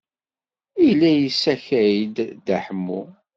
Yella yessakay-d Dda Ḥemmu.